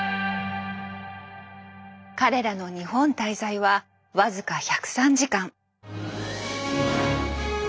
彼らの日本滞在は僅か１０３時間。